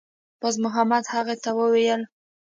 بازمحمد هغه ته وویل